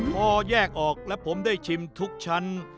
พอแยกออกแล้วผมได้ชิมทุกชั้น